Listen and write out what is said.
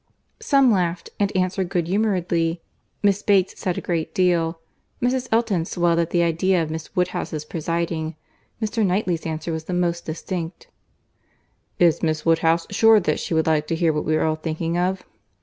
Some laughed, and answered good humouredly. Miss Bates said a great deal; Mrs. Elton swelled at the idea of Miss Woodhouse's presiding; Mr. Knightley's answer was the most distinct. "Is Miss Woodhouse sure that she would like to hear what we are all thinking of?"